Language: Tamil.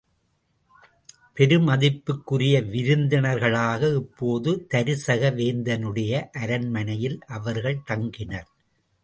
பெருமதிப்புக்குரிய விருந்தினர்களாக இப்போது தருசக வேந்தனுடைய அரண்மனையில் அவர்கள் தங்கினர்.